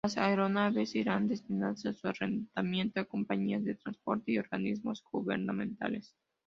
Las aeronaves irán destinadas a su arrendamiento a compañías de transporte y organismos gubernamentales.